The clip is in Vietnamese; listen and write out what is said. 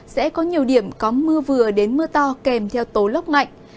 sẽ có nhiều điểm có mưa vừa đến mưa to kèm theo tố lốc mạnh